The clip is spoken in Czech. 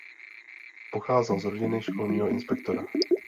Pocházel z rodiny školního inspektora.